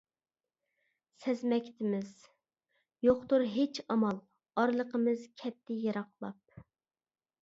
سەزمەكتىمىز، يوقتۇر ھېچ ئامال ئارىلىقىمىز كەتتى يىراقلاپ.